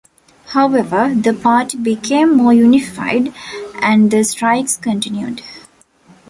However, the party became more unified and the strikes continued.